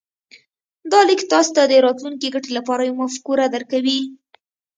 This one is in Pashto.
دا ليک تاسې ته د راتلونکې ګټې لپاره يوه مفکوره درکوي.